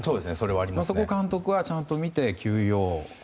そこを監督はちゃんと見て休養。